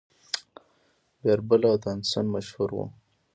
بیربل او تانسن مشهور وو.